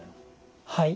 はい。